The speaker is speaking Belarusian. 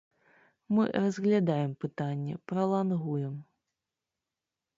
Мы разглядаем пытанне, пралангуем.